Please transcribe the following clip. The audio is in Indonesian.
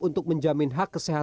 untuk menjamin hak kesehatan